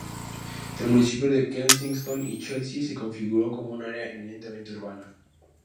El municipio de Kensington y Chelsea se configura como un área eminentemente urbana.